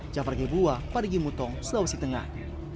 jafar gebuwa parigi mutong sulawesi tengah